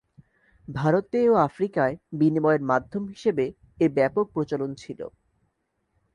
ভারতে ও আফ্রিকায় বিনিময়ের মাধ্য হিসাবে এর ব্যাপক প্রচলন ছিল।